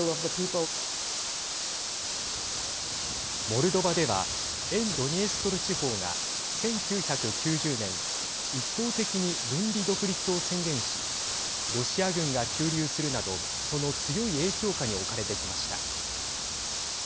モルドバでは沿ドニエストル地方が１９９０年一方的に分離独立を宣言しロシア軍が駐留するなどその強い影響下に置かれてきました。